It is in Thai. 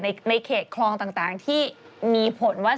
ในเขตคลองต่างที่มีผลว่า